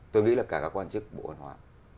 tôi nghĩ là cả các quan chức bộ văn hóa